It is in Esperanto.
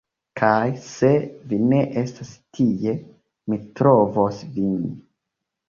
Kaj se vi ne estas tie, mi trovos vin